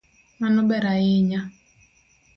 Mano ber ahinya